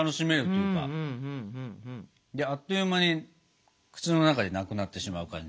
であっという間に口の中でなくなってしまう感じ。